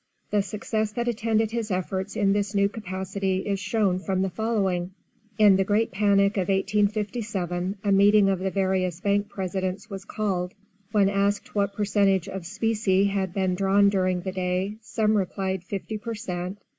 The success that attended his efforts in this new capacity is shown from the following: In the great panic of 1857 a meeting of the various bank presidents was called. When asked what percentage of specie had been drawn during the day some replied fifty per cent.